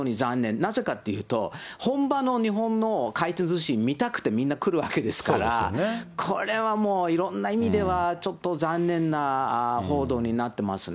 なぜかっていうと、本場の日本の回転ずし見たくて、みんな来るわけですから、これはもういろんな意味では、ちょっと残念な報道になってますね。